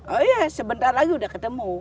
oh iya sebentar lagi udah ketemu